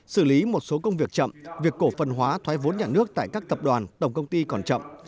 xử lý một số công việc chậm việc cổ phần hóa thoái vốn nhà nước tại các tập đoàn tổng công ty còn chậm